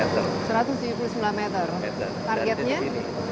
dari di sini